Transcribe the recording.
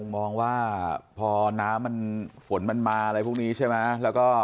มองว่าพอน้ำมันฝนมันมาอะไรพวกนี้ใช่ไหมแล้วก็